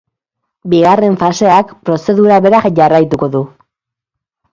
Bigarren faseak prozedura bera jarraituko du.